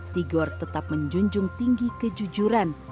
tigor tetap menjunjung tinggi kejujuran